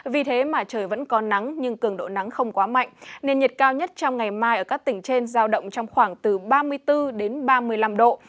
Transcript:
vì thế mà trời vẫn có nắng nhưng cường độ nắng không quá mạnh nên nhiệt cao nhất trong ngày mai ở các tỉnh trên giao động trong khoảng từ ba mươi bốn đến ba mươi năm độ